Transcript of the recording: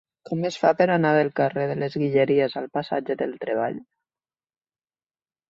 Com es fa per anar del carrer de les Guilleries al passatge del Treball?